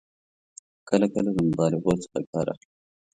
کله کله له مبالغو څخه کار اخلي.